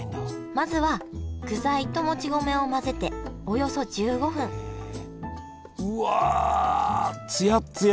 まずは具材ともち米を混ぜておよそ１５分うわつやっつや！